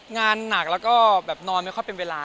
งานหนักแล้วก็แบบนอนไม่ค่อยเป็นเวลา